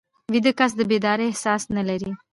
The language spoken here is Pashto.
ویده کس د بیدارۍ احساس نه لري